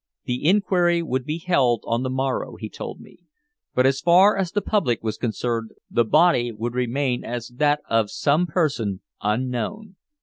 The inquiry would be held on the morrow, he told me, but as far as the public was concerned the body would remain as that of some person "unknown."